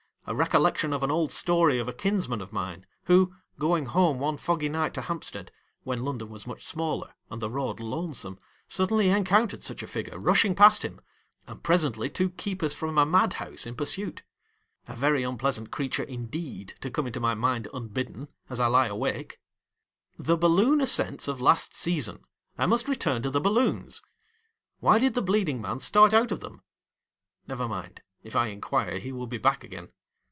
A recollection of an old story of a kinsman of mine, who, going home one foggy winter night to Hampstead, when London was much smaller and the road lonesome, suddenly encountered such a figure rushing past him, and presently two keeper; from a madhouse in pursuit. A very un pleasant creature indeed, to come into my mind unbidden, as I lie awake. — The balloon ascents of last season. I must return to the balloons. Why did the bleeding man start out of them..? Never mind ; if I inquire, he will be back again.